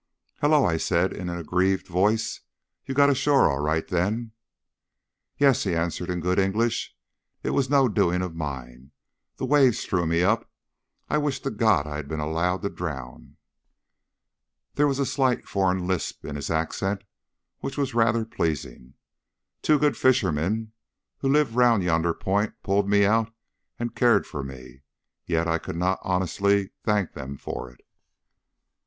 "Hullo!" I said, in an aggrieved voice. "You got ashore all right, then?" "Yes," he answered, in good English. "It was no doing of mine. The waves threw me up. I wish to God I had been allowed to drown!" There was a slight foreign lisp in his accent which was rather pleasing. "Two good fishermen, who live round yonder point, pulled me out and cared for me; yet I could not honestly thank them for it."